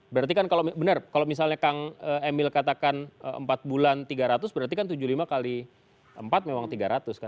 berarti kan kalau benar kalau misalnya kang emil katakan empat bulan tiga ratus berarti kan tujuh puluh lima kali empat memang tiga ratus kan